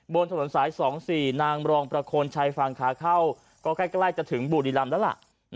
บนถนนสาย๒๔นางรองประโคนชัยฝั่งขาเข้าก็ใกล้จะถึงบุรีรำแล้วล่ะ